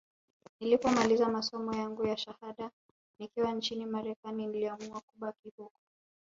Nilipomaliza masomo yangu ya shahada nikiwa nchini Marekani niliamua kubaki huko